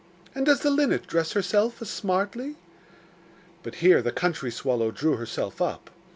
And does the linnet dress herself as smartly?' But here the country swallow drew herself up.